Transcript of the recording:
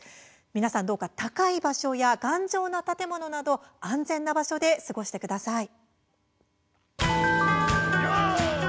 皆さん、どうか高い場所や頑丈な建物など安全な場所で過ごしてください。